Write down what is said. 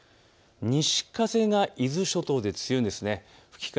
西風が伊豆諸島で強いです。